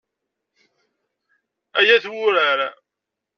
Ay at wurar.